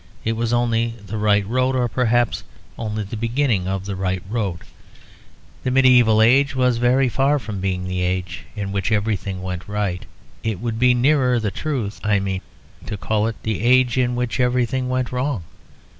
It was only the right road; or perhaps only the beginning of the right road. The medieval age was very far from being the age in which everything went right. It would be nearer the truth I mean to call it the age in which everything went wrong.